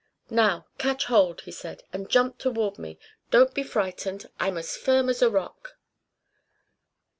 "Now catch hold," he said, "and jump toward me. Don't be frightened. I'm as firm as a rock."